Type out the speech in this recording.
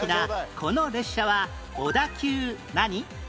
この列車は小田急何？